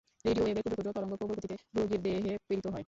Radio ওয়েভের ক্ষুদ্র ক্ষুদ্র তরঙ্গ প্রবল গতিতে রোগীর দেহে প্রেরিত হয়।